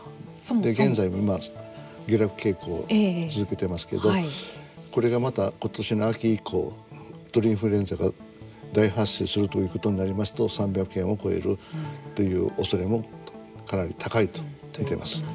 現在も、今、下落傾向を続けていますけどこれがまた今年の秋以降鳥インフルエンザが大発生するということになりますと３００円を超えるというおそれもかなり高いと見ています。